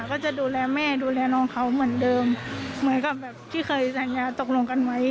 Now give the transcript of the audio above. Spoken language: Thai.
ก็จะดูแลแม่ดูแลน้องเขาเหมือนเดิมเหมือนกับแบบที่เคยสัญญาตกลงกันไว้